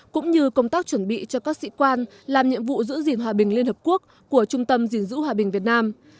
cũng như công tác chuẩn bị cho các sĩ quan làm nhiệm vụ giữ gìn hòa bình liên hợp quốc của trung tâm gìn giữ hòa bình việt nam